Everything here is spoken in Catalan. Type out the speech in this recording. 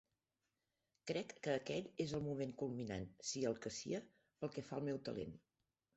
Crec que aquell és el moment culminant, sia el que sia, pel que fa al meu talent.